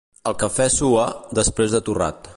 El cafè sua, després de torrat.